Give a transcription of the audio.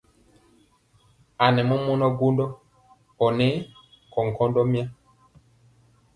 A nɛ mɔmɔnɔ gwondɔ ɔ nɛ nkɔnkɔndɔ mɔmya.